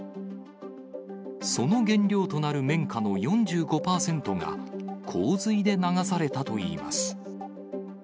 その原料となる綿花の４５％が、洪水で流されたといいます。